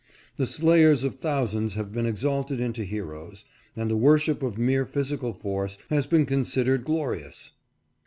The slayers of thousands have been exalted into heroes, and the wor ship of mere physical force has been considered glorious.